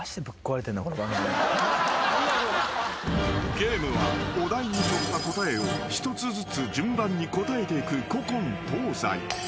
［ゲームはお題に沿った答えを一つずつ順番に答えていく古今東西］